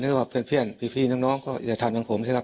เพื่อนพี่น้องก็อย่าทำดังผมใช่ครับ